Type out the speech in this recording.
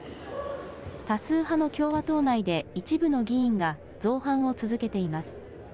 多数派の共和党内で一部の議員が造反を続けています。